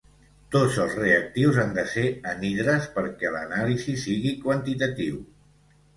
Tots els reactius han de ser anhidres perquè l'anàlisi sigui quantitatiu.